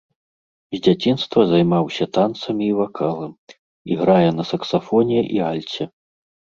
З дзяцінства займаўся танцамі і вакалам, іграе на саксафоне і альце.